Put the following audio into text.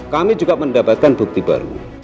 kami juga mendapatkan bukti baru